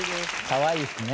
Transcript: かわいいですね。